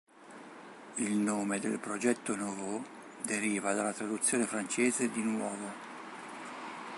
Il nome del progetto "nouveau" deriva dalla traduzione francese di "nuovo".